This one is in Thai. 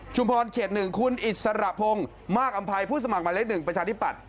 ชุมพรเคล็ด๑คุณอิสระพงษ์มากอำไพรผู้สมัครมาเล็ก๑ประชาธิปัตย์